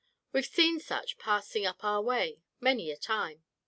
We've seen such pass up our way many a time.